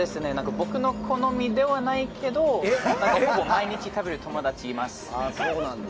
僕の好みではないけど結構毎日食べる友達います。